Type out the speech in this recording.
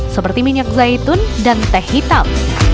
seperti minyak zaitun dan teh hitam